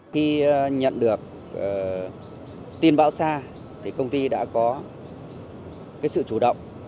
khi nhận được tin bão xa thì công ty đã có sự chủ động